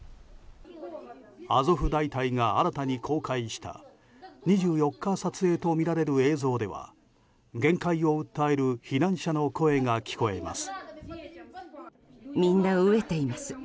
アゾフ大隊が新たに公開した２４日撮影とみられる映像では限界を訴える避難者の声が聞こえます。